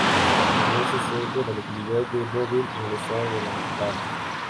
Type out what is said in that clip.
Tenía su sede en la localidad de Mobile, en el estado de Alabama.